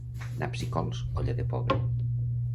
Naps i cols, olla de pobre.